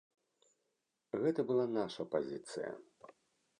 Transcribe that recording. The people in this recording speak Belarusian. Гэта была наша пазіцыя.